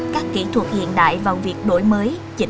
các kỹ thuật hiện đại vào việc đổi mới